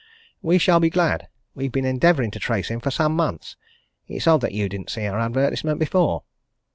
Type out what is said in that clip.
"We shall be glad we've been endeavouring to trace him for some months. It's odd that you didn't see our advertisement before."